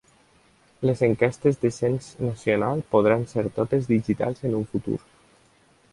Les enquestes de cens nacional podran ser totes digitals en un futur.